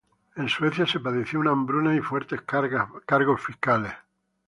En Suecia se padeció una hambruna y fuertes cargos fiscales.